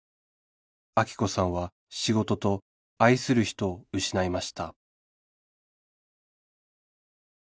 アキ子さんは仕事と愛する人を失いました